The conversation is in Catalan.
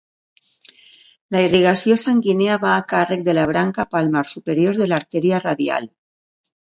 La irrigació sanguínia va a càrrec de la branca palmar superior de l'artèria radial.